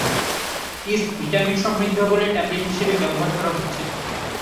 East vitamin সমৃদ্ধ বলে tablet হিসেবে ব্যবহার করা হচ্ছে।